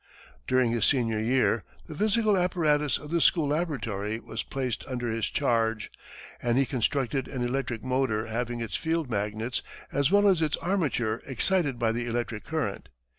During his senior year, the physical apparatus of the school laboratory was placed under his charge, and he constructed an electric motor having its field magnets as well as its armature excited by the electric current.